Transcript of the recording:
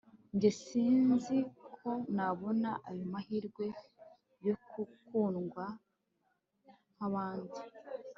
njye sinzi ko nabona ayo mahirwe yo gukundwa nkabandi